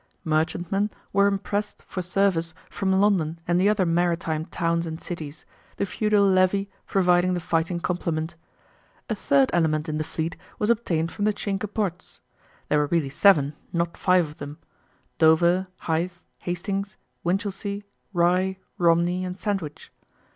Merchantmen were impressed for service from London and the other maritime towns and cities, the feudal levy providing the fighting complement. A third element in the fleet was obtained from the Cinque Ports. There were really seven, not five, of them Dover, Hythe, Hastings, Winchelsea, Rye, Romney, and Sandwich.